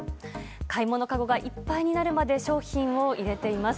買い物かごがいっぱいになるまで商品を入れています。